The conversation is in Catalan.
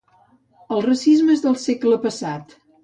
El racisme és del segle passat